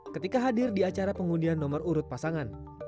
ketika hadir di acara pengundian nomor urut pasangan